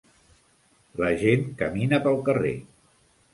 La gent camina pel carrer